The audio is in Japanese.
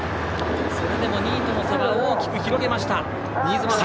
それでも２位との差は大きく広げました。